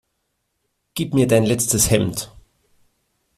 Gib mir dein letztes Hemd!